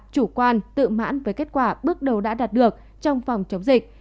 chủ quan tự mãn với kết quả bước đầu đã đạt được trong phòng chống dịch